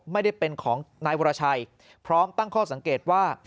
ไม่ได้เป็นของนายวรชัยพร้อมตั้งข้อสังเกตว่า